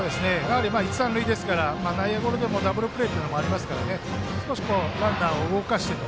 一、三塁ですから内野ゴロでもダブルプレーというのもありますから少しランナーを動かしてと。